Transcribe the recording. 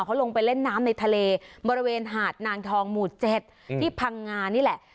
เขาลงไปเล่นน้ำในทะเลบริเวณหาดนางทองหมู่๗ที่พังงานี่แหละ